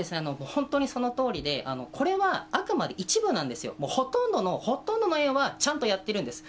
本当にそのとおりで、これはあくまで一部なんですよ、もうほとんどの、ほとんどの園はちゃんとやってるんです。